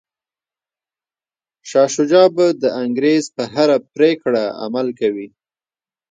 شاه شجاع به د انګریز په هره پریکړه عمل کوي.